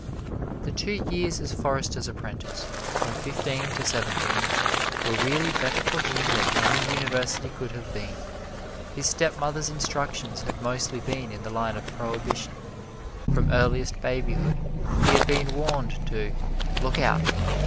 The two years as forester's apprentice, from fifteen to seventeen, were really better for him than any university could have been. His stepmother's instructions had mostly been in the line of prohibition. From earliest babyhood he had been warned to "look out."